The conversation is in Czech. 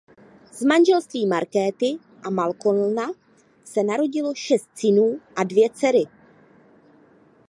Z manželství Markéty a Malcolma se narodilo šest synů a dvě dcery.